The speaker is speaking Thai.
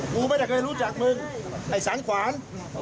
กูไม่ได้เคยรู้จักมึงไอ้สังขวาน